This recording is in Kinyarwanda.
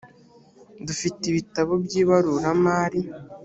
dufite ibitabo byibaruramari .